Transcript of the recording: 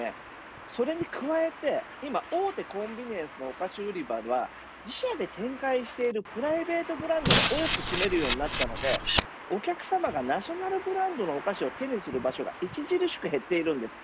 それに加えて今大手コンビニエンスのお菓子売り場では自社で展開しているプライベートブランドが多くを占めるようになったのでお客さまがナショナルブランドのお菓子を手にする場所が著しく減っているんです。